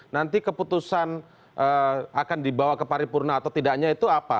nanti keputusan akan dibawa ke paripurna atau tidaknya itu apa